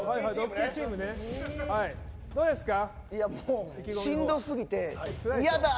どうですか？